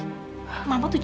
mama tuh jangan hanya tulus